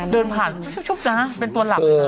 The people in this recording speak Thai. เดินผ่านชุบนะเป็นตัวหลัก